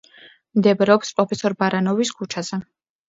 მდებარეობს პროფესორ ბარანოვის ქუჩაზე.